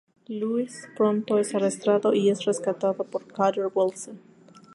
Louis pronto es arrestado y es rescatado por Carter Wilson.